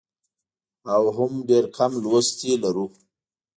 او هم ډېر کم لوستونکي لرو.